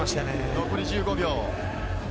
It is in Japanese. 残り１５秒。